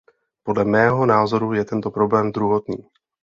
Podle mého názoru je tento problém druhotný.